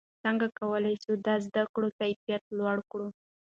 څنګه کولای سو د زده کړې کیفیت لوړ کړو؟